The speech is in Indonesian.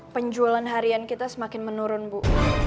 penjualan harian kita semakin menurun bu